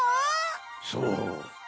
そう。